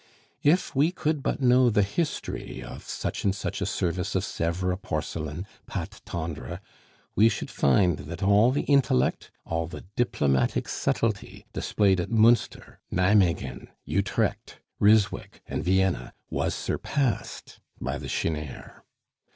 If we could but know the history of such and such a service of Sevres porcelain, pate tendre, we should find that all the intellect, all the diplomatic subtlety displayed at Munster, Nimeguen, Utrecht, Ryswick, and Vienna was surpassed by the chineur.